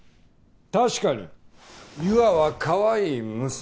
確かに優愛はかわいい娘だ。